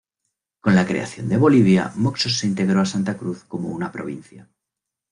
Con la creación de Bolivia, Moxos se integró a Santa Cruz como una provincia.